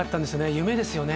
夢ですよね